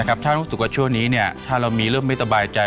แต่ครับถ้ารู้สึกว่าช่วงนี้ถ้าเรามีเรื่องไม่สบายใจ